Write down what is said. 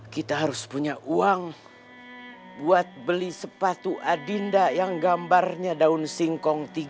kita harus punya uang buat beli sepatu adinda yang gambarnya daun singkong tiga